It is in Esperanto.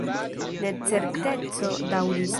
Necerteco daŭris.